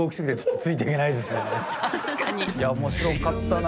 いや面白かったな。